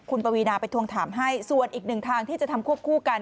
คุณปวีนาไปทวงถามให้ส่วนอีกหนึ่งทางที่จะทำควบคู่กัน